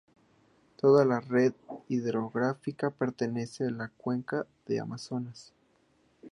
Toda la red hidrográfica pertenece a la cuenca del Amazonas.